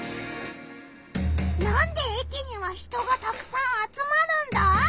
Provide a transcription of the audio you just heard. なんで駅には人がたくさん集まるんだ？